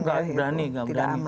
nggak berani nggak berani